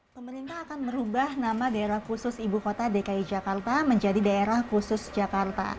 pemerintah akan merubah nama daerah khusus ibu kota dki jakarta menjadi daerah khusus jakarta